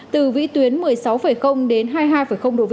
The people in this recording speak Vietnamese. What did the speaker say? từ vĩ tuyến một mươi sáu đến hai mươi hai